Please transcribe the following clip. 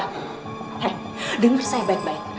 hei denger saya baik baik